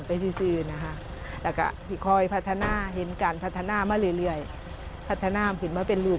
ผ่านจินตนาการตามยุคสมัย